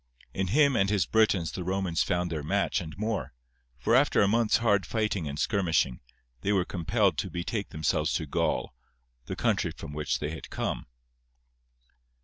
In him and his Britons the Romans found their match and more, for after a month's hard fighting and skirmishing, they were compelled to betake themselves to Gaul, the country from which they had come.